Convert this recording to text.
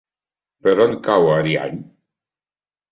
Per on cau Ariany?